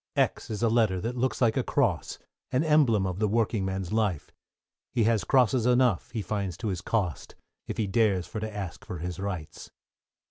=X= is a letter that looks like a cross, An emblem of the working man's life; He has crosses enough, he finds to his cost; If he dares for to ask for his rights.